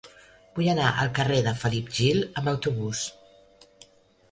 Vull anar al carrer de Felip Gil amb autobús.